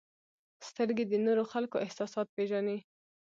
• سترګې د نورو خلکو احساسات پېژني.